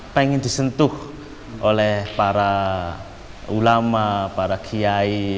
pengen disentuh oleh para ulama para kiai